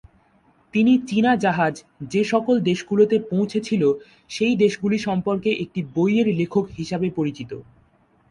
তিনি চীনা জাহাজ যে সকল দেশগুলোতে পৌঁছেছিল সেই দেশগুলি সম্পর্কে একটি বইয়ের লেখক হিসাবে পরিচিত।